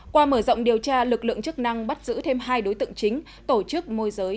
qua mở rộng điều tra lực lượng chức năng bắt giữ thêm hai đối tượng chính tổ chức môi giới